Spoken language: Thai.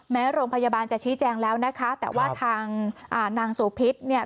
แม้โรงพยาบาลจะชี้แจงแล้วนะคะแต่ว่าทางนางโสพิษเนี่ย